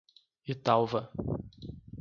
Italva